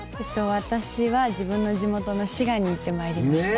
私は自分の地元の滋賀に行ってまいりました。